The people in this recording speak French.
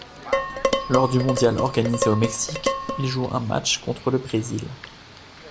Lors du mondial organisé au Mexique, il joue un match contre le Brésil.